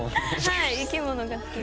はい生き物が好きで。